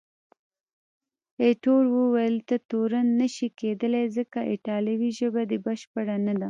ایټور وویل، ته تورن نه شې کېدای، ځکه ایټالوي ژبه دې بشپړه نه ده.